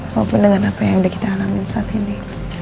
walaupun dengan apa yang sudah kita alamin saat ini